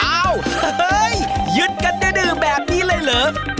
อ้าวเฮ้ยยพยุดกันได้หนือแบบนี้เลยเหรอ